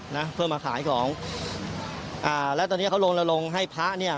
นะเพื่อมาขายของอ่าแล้วตอนเนี้ยเขาลงละลงให้พระเนี่ย